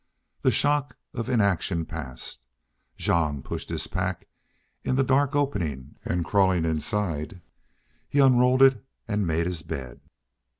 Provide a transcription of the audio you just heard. The shock of inaction passed. Jean pushed his pack in the dark opening and, crawling inside, he unrolled it and made his bed.